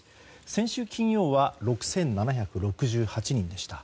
先週金曜は６７６８人でした。